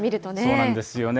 そうなんですよね。